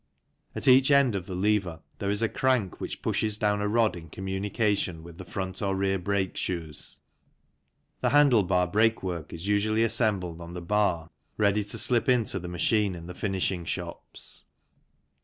At each end of the lever there is a crank which pushes down a rod in communication with the front or rear brake shoes. The handle bar brakework is usually assembled on the bar ready to slip into the machine in the finishing shops.